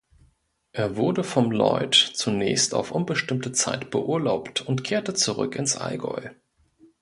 Er wurde vom Lloyd zunächst auf unbestimmte Zeit beurlaubt und kehrte zurück ins Allgäu.